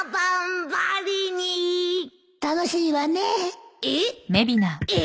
・楽しいわねえ。えっ？え！？